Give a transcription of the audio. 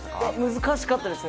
難しかったです。